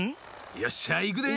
よっしゃいくで！